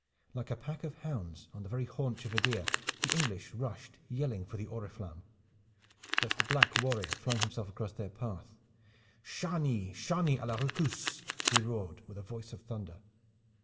Like a pack of hounds on the very haunch of a deer the English rushed yelling for the oriflamme. But the black warrior flung himself across their path. "Chargny! Chargny a la recousse!" he roared with a voice of thunder.